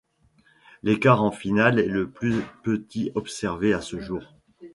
L'écart en finale est le plus petit observé à ce jour.